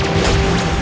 aku akan menang